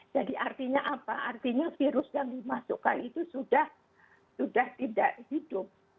jadi artinya apa artinya virus yang dimasukkan itu sudah tidak hidup